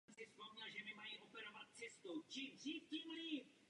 Divadelní podoba získala další Cenu Tony.